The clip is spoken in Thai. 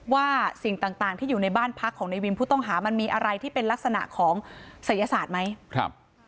ว่าสิ่งต่างที่อยู่ในบ้านพักของในวิมผู้ต้องหามันมีอะไรที่เป็นลักษณะของศัยศาสตร์ไหมครับ